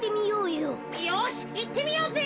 よしいってみようぜ！